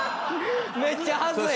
めっちゃはずい！